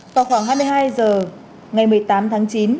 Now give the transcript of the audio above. vào khoảng hai mươi hai h ngày một mươi tám tháng chín